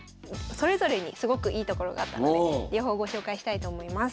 それぞれにすごくいいところがあったので両方ご紹介したいと思います。